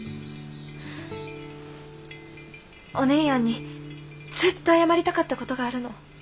お姉やんにずっと謝りたかった事があるの。